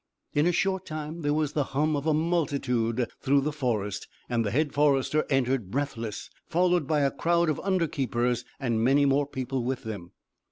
In a short time there was the hum of a multitude through the forest; and the head forester entered, breathless, followed by a crowd of under keepers, and many more people with them.